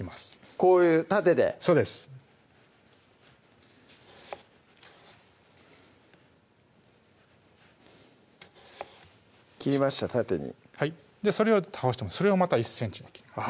こういう縦でそうです切りました縦にはいそれを倒してそれをまた１ｃｍに切ります